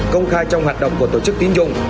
công khai trong hoạt động của tổ chức tín dụng